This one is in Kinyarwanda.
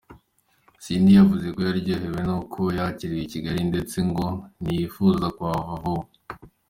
Cindy yavuze ko yaryohewe n’uko yakiriwe i Kigali ndetse ngo ntiyifuza kuhava vuba.